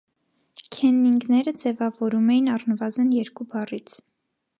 Քեննինգները ձևավորում էին առնվազն երկու բառից։